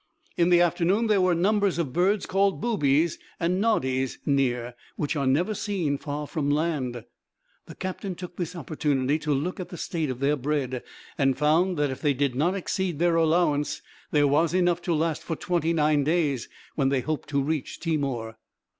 In the afternoon there were numbers of birds called boobies and noddies near, which are never seen far from land. The captain took this opportunity to look at the state of their bread, and found if they did not exceed their allowance there was enough to last for twenty nine days, when they hoped to reach Timor.